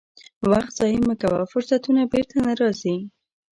وخت ضایع مه کوه، فرصتونه بیرته نه راځي.